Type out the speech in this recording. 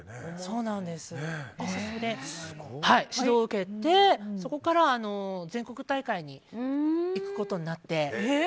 そこで指導を受けて全国大会に行くことになって。